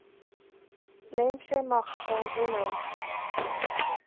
Léim sé amach ar an bhfuinneog.